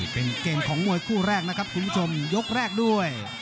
เป็นเกมของมวยคู่แรกนะครับคุณผู้ชมยกแรกด้วย